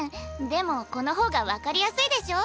でもこの方が分かりやすいでしょ？